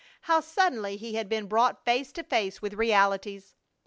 How suddenly he had been brought face to face with realities!